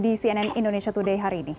di cnn indonesia today hari ini